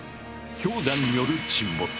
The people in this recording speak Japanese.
氷山による沈没。